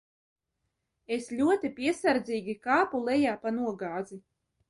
Es ļoti piesardzīgi kāpu lejā pa nogāzi.